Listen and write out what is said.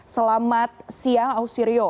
selamat siang ausirion